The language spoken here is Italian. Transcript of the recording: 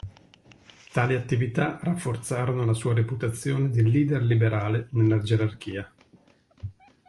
Tali attività rafforzarono la sua reputazione di leader liberale nella gerarchia.